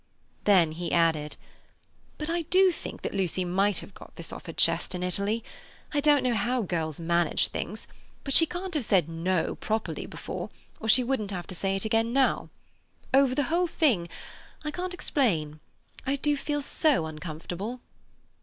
Then he added: "But I do think Lucy might have got this off her chest in Italy. I don't know how girls manage things, but she can't have said 'No' properly before, or she wouldn't have to say it again now. Over the whole thing—I can't explain—I do feel so uncomfortable."